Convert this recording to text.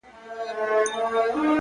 • له ښکاري کوترو چا وکړل سوالونه ,